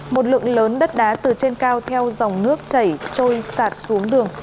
một lượng lớn đất đá từ trên cao theo dòng nước chảy trôi sạt xuống đường